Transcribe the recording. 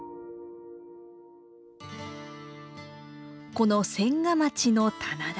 この千框の棚田。